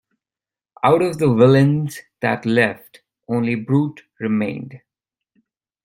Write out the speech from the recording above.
Out of the villains that left, only Brute remained.